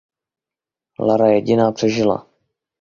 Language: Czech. Lara jediná přežila.